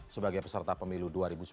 sebagai peserta pemilu dua ribu sembilan belas